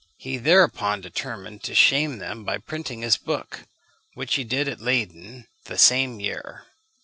He thereupon determined to shame them by printing his book, which he did at Leyden the same year.